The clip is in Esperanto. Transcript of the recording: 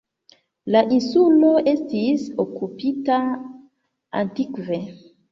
La insulo estis okupita antikve.